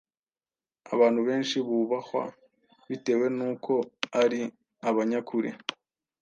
Abantu benshi bubahwa bitewe n’uko ari abanyakuri